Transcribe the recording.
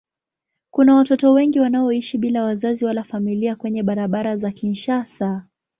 Kuna watoto wengi wanaoishi bila wazazi wala familia kwenye barabara za Kinshasa.